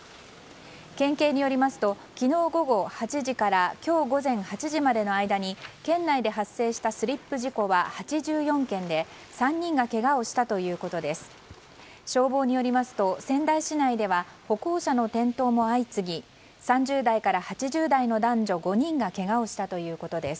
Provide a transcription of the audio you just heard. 県警によりますと昨日午後８時から今日午前８時までの間に県内で発生したスリップ事故は８４件で、３人がけがをしたということです。